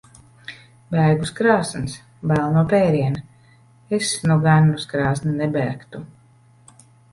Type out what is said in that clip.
Bēg uz krāsns. Bail no pēriena. Es nu gan uz krāsni nebēgtu.